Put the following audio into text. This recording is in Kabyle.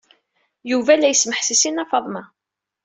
Yuba la yesmeḥsis i Nna Faḍma.